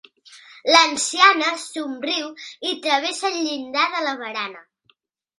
L'anciana somriu i travessa el llindar de la barana.